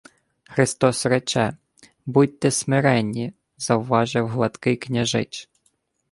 — Христос рече: будьте смиренні, — завважив гладкий княжич.